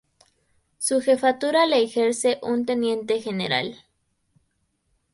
Su jefatura la ejerce un teniente general.